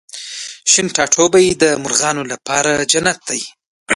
شین ټاټوبی د مرغانو لپاره جنت دی